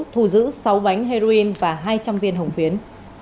thu giữ sáu bánh heroin và hai trăm linh viên hồng phiến